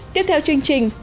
tiếp theo chương trình